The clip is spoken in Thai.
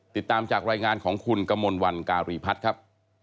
ติดตามจากรายงานของคุณกมลวันการีพัฒน์ครับ